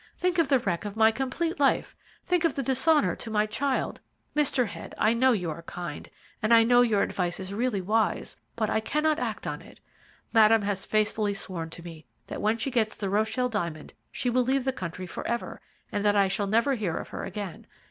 Think of the wreck of my complete life, think of the dishonour to my child. Mr. Head, I know you are kind, and I know your advice is really wise, but I cannot act on it. Madame has faithfully sworn to me that when she gets the Rocheville diamond she will leave the country for ever, and that I shall never hear of her again.